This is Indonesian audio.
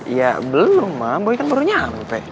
ya belum mam tapi kan baru nyampe